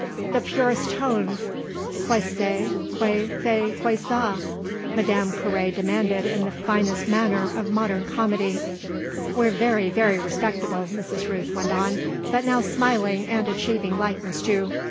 "The purest tone qu'est ce que c'est que ça?" Madame Carré demanded in the finest manner of modern comedy. "We're very, very respectable," Mrs. Rooth went on, but now smiling and achieving lightness too.